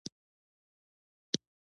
خو د هغوی د خبرو په اړه څه اطلاع نشته.